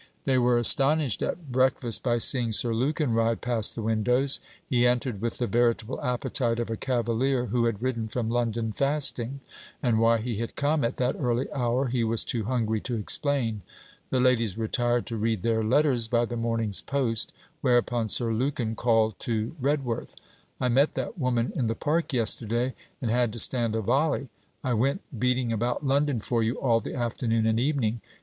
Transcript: They were astonished at breakfast by seeing Sir Lukin ride past the windows. He entered with the veritable appetite of a cavalier who had ridden from London fasting; and why he had come at that early hour, he was too hungry to explain. The ladies retired to read their letters by the morning's post; whereupon Sir Lukin called to Redworth; 'I met that woman in the park yesterday, and had to stand a volley. I went beating about London for you all the afternoon and evening.